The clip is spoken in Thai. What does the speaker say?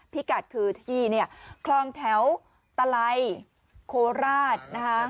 พิกัดคือที่เนี่ยคลองแถวตะไลโคราชนะคะ